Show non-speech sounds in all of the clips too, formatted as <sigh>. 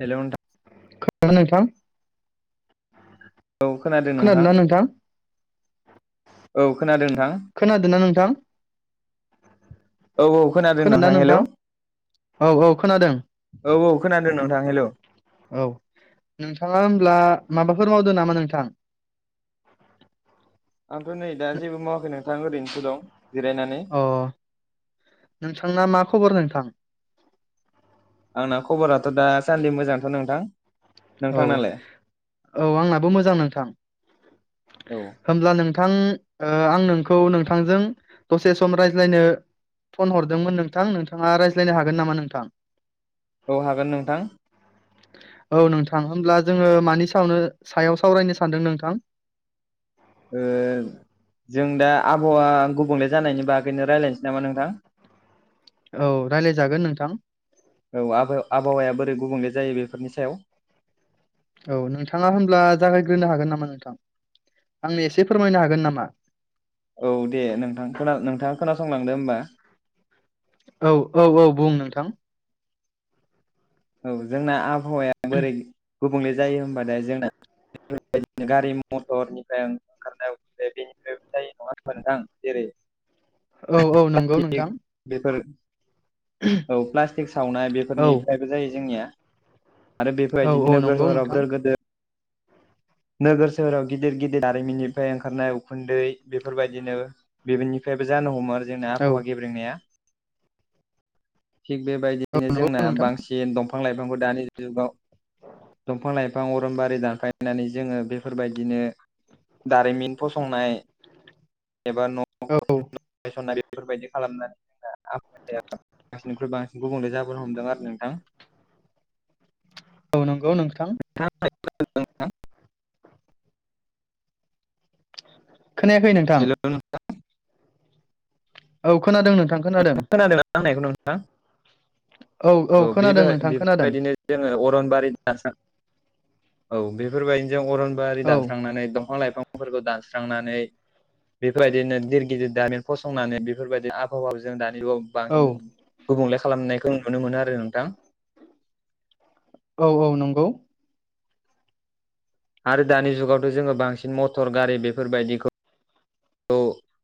Hello नोंथां खोना नोंथां? औ खोनादों नोंथां औ खोनादों नोंथां। खोनादोंना नोंथां औ औ खोनादों नोंथां हेलौ औ औ खोनादों। औ खोनादों नोंथां हेल' औ नोंथाङा होमब्ला माबाफोर मावदों नामा नोंथां? <inaudible> आंथ' नै दा जेबो मावाखै नोंथां ओरैनोसो दं जिरायनानै। अ नोंथांना मा खबर नोंथां? आंना खबराथ' दा सान्दि मोजांथ' नोंथां। औ नोंथांनालाय औ आंनाबो औ मोजां नोंथां। औ होमब्ला नोंथां ओ आं नोंखौ नोंथांजों दसे सम रायज्लायनो फन हरदोंमोन नोंथां, नोंथाङा रायज्लायनो हागोन नामा नोंथां? औ हागोन नोंथां। औ, नोंथां होमब्ला जोङो मानि सायावनो सायाव सावरायनो सानदों नोंथां? ओ जों दा आबहावा गुबुंले जानायनि बागैनो रायज्लायनोसै नामा नोंथां। औ रायज्लायजागोन नोंथां। औ आब-आबहावाया बोरै गुबुंले जायो बेफोरनि सायाव। औ नोंथाङा होनब्ला जागायग्रोनो हागोन नामा नोंथां आंनो एसे फोरमायनो हागोन नामा? औ दे नोंथां खोना नोंथाङा खोनासंलांदो होनबा। औ औ औ बुं नोंथां। औ जोंना आबहावाया बोरै गुबुंले जायो होनबा दा जोंना बेफोरबायदिनो गारि मथरनिफ्राय ओंखारनाय बेनिफ्रायबो जायो नङा होनबा नोंथां जेरै औ औ नंगौ नोंथां। बेफोर औ प्लास्टिक सावनाय औ बेफोरनिफ्रायबो जायो जोंनिया। आरो औ औ बेफोरबायदिनो नोगोर नंगौ सहराव नोंथां गोदोर गोदोर नोगोर सोहोराव गिदिर गिदिर दारिमिननिफ्राय ओंखारनाय उखुन्दै बेफोरबायदिनो बेनि फ्रायबो जानो हमो आरो जोंना औ आबहावा गेब्रेंनाया। थिग औ बेबायदियैनो नंगौ जोंना नोंथां बांसिन दंफां लाइफांफोर दानि जुगाव दंफां लाइफां अरनबारि दानफायनानै जोङो बेफोरबायदिनो दारिमिन फसंनाय एबा न' औ सननाय बेफोरबायदि खालामनानै <unintelligible> बांसिननिख्रुइ बांसिन गुबुंले जाबोनो हमदों आरो नोंथां। औ नोंगौ नोंथां। <unintelligible> खोनायाखै नों हेलौ नोंथां। औ खोनादों नोंथां। नोंथां खोनादों आं होनायखौ नोंथां औ बे खोनादों नोंथां खोनादों बेफोरबायदिनो जोङो अरनबारि <unintelligible> औ बेफोरबायदिनो जों अरन आरि औ दानस्रांनानै दंफां लाइफां फोरखौ दानस्रांनानै बेफोरबायदिनो गिदिर गिदिर दामिन फसंनानै बेफोरबायदि आ बहावा जों दानि औ बांसिन गुबुंले खालामनायखौ नुनो मोनो आरो नोंथां। औ औ नंगौ। आरो दानि जुगावथ' जोङो बांसिन मटर गारि बेफोरबायदिखौ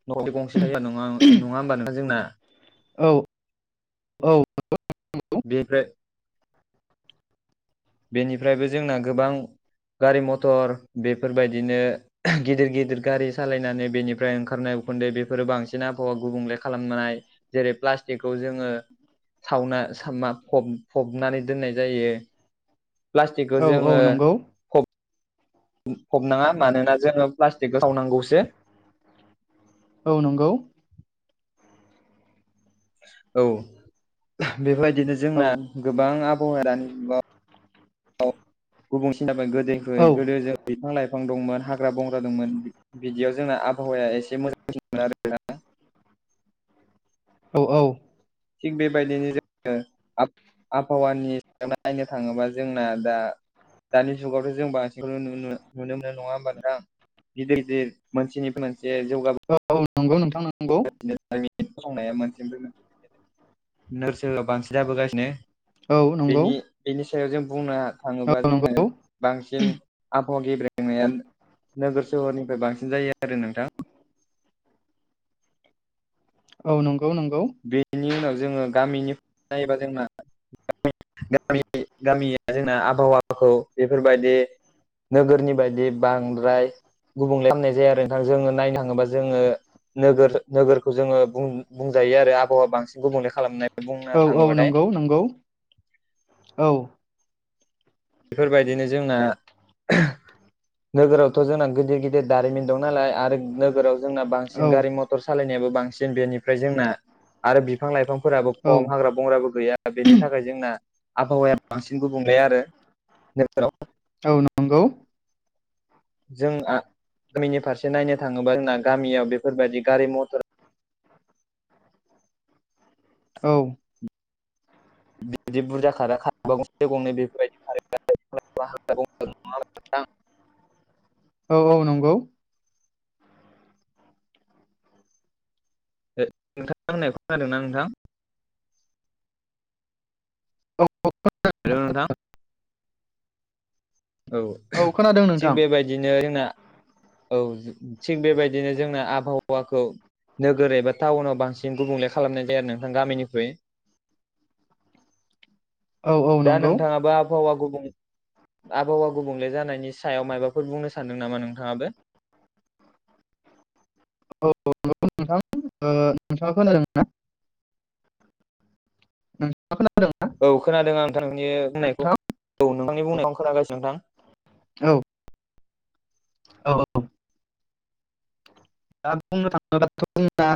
न' गंसे जायो नङा नङा होमबा जोंना औ औ। बेनिफ्राय बेनिफ्रायबो जोंना गोबां गारि मथर बेफोरबायदिनो गिदिर गिदिर गारि सालायनानै बेनिफ्राय ओंखारनाय उखुन्दै बेफोरो बांसिन आबहावा गुबुंले खालामनाय जेरै प्लास्टिकखौ जोङो सावना <unintelligible> फबनानै दोननाय जायो। प्लास्टिकखौ औ नंगौ। औ औ जोङो। नंगौ फब फबनाङा मानोना जोङो प्लास्टिकखो सावनांगौसो। औ नंगौ। औ बेबायदिनो औ जोंना गोबां आबहावाया दानि जुगाव <unintelligible> गुबुंसिन जाबाय गोदो औ गोदो बिफां लाइफां दंमोन हाग्रा बंग्रा दंमोन बिदियाव जोंना आबहावाया एसे मोजांसिनमोन आरो ना औ औ थिग बेबायदिनो जोङो <unintelligible> आबहावानि सायाव नायनो थाङोबा जोंना दा दानि जुगावथ' जों बांसिखौनो नुनो मोनो नङा होमबा नोंथां? गिदिर गिदिर मोनसेनिफ्राय मोनसे जौगाबो औ नंगौ नोंथां नंगौ <unintelligible> मोनसेनिफ्राय मोनसे नोरसो बांसिन जाबोगासिनो। औ नंगौ बिनि बेनि सायाव जों बुंनो औ थाङोबा जोङो नंगौ बांसिन आबहावा गेब्रेंनाया नोगोर सोहरनिफ्राय बांसिन जायो आरो नोंथां। औ नंगौ नंगौ। बेनि उनाव जोङो गामिनिफ्राय नायबा जोंना गामि गामि गामियाव जोंना आबहावाखौ बेफोरबादि नोगोरनि बायदि बांद्राय गुबुंले खालामामनाय जायो आरो नोंथां। जोङो नायनो थाङोबा जोङो नोगोर नोगोरखौ जोङो बुं-बुं जायो आरो आबहावा बांसिन गुबुंले खालामनानै बुंनो औ थाङोबाथाय। औ नोंगौ। औ। बेफोरबायदिनो जोंना नोगोरावथ' जोंना गिदिर गिदिर दारिमिन दं नालाय आरो नोगोराव जोंना औ बांसिन गारि मथर सालायनायाबो बांसिन बेनिफ्राय जोंना आरो बिफां लाइफांफोराबो औ खम, हाग्रा बंग्राबो गैया बेनि थाखाय जोंना आबहावाया बांसिन गुबुंले आरो। नोगोरफोराव। औ नंगौ। जों गामिनि फारसे नायनो थाङोबा जोंना गामियाव बेफोरबायदि गारि मथर औ। बिदि बुरजा खारा खारोबा गंसे गंनै बेफोरबायदि खारो <unintelligible> औ औ नंगौ। नोंथां आं होननायखौ खोनादों ना नोंथां? अ <unintelligible> हेल' नोंथां? औ खोनादों थिग नोंथां बेबायदिनो जोंना औ थिग बेबायदिनो जोंना आबहावाखौ नोगोर एबा टाउनाव बांसिन गुबुंले खालामनाय जाया नोंथां गामिनिख्रुइ। <unintelligible> दा नंगौ नोंथाङाबो आबहावा गुबुं आबहावा गुबुंले जानायनि सायाव मायबाफोर बुंनो सानदों नामा नोंथाङाबो? औ नंगौ नोंथां नोंथाङा खोनादों? ना <unintelligible> औ खोनादों आं नोंथांनि बुंनायखौ नोंथां औ नोंथांनि बुंनायाव आं खोनागासिनो नोंथां। औ औ औ। दा बुंनो थाङोब्लाथ' जोंना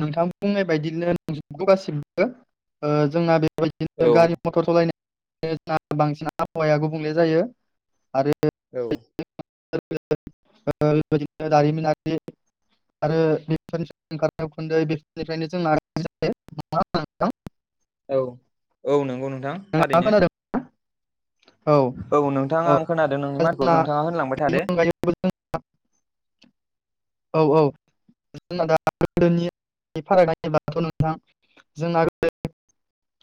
नोंथां बुंनाय बायदिनो <unintelligible> गासिबो जोंना बेबायदिनो औ गारि मटर सलायनाय <unintelligible> जोंहा बांसिन आबहावाया गुबुंले जायो आरो औ। <unintelligible> दारिमिन आरि <unintelligible> औ औ नंगौ नोंथां नोंथाङा थारैनो। खोनादों औ नोंथाङा औ आं खोनादों दा नोंनि माथोखौ जोंना नोंथाङा होनलांबाय बेनि थादो। अनगायैबो औ औ। जोंना दा गोदोनि फारागथि बाथ' नोंथां जोंना गोदो